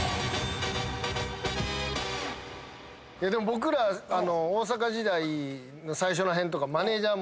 僕ら大阪時代の最初ら辺とかマネージャー